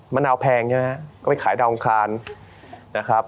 มะนาวแพงนะครับก็ไปขายดาวงคลาน